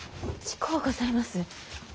近うございます。